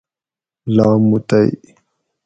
لاموتئی